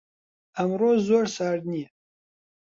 ئەمڕۆ زۆر سارد نییە.